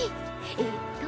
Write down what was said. えっと。